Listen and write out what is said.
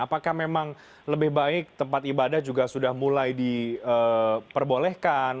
apakah memang lebih baik tempat ibadah juga sudah mulai diperbolehkan